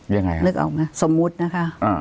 ยังไงฮะนึกออกไหมสมมุตินะคะ